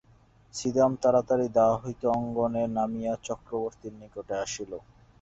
ছিদাম তাড়াতাড়ি দাওয়া হইতে অঙ্গনে নামিয়া চক্রবর্তীর নিকটে আসিল।